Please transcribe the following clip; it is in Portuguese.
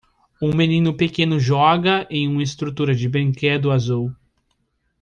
Um menino pequeno joga em uma estrutura de brinquedo azul